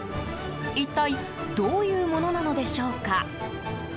一体どういうものなのでしょうか。